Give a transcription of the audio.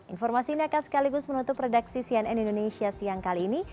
informasi ini akan sekaligus menutup redaksi cnn indonesia siang kali ini